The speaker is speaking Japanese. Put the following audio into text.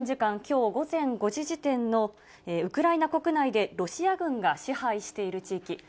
赤で示されたエリアは、日本時間きょう午前５時時点のウクライナ国内でロシア軍が支配している地域。